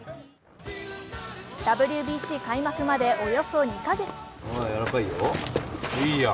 ＷＢＣ開幕までおよそ２か月。